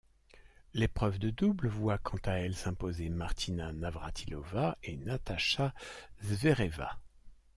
L'épreuve de double voit quant à elle s'imposer Martina Navrátilová et Natasha Zvereva.